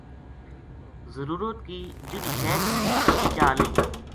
ضرورت کی جہیڑی شے تھی چا لئی